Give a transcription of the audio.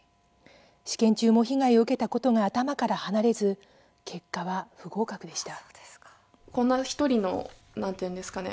試験中も被害を受けたことが頭から離れず結果は不合格でした。